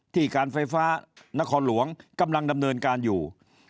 การไฟฟ้านครหลวงกำลังดำเนินการอยู่